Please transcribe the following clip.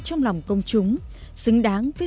trong lòng công chúng xứng đáng với